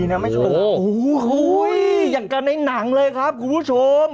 ไม่ใช่โอ้โหอย่างกันในหนังเลยครับคุณผู้ชม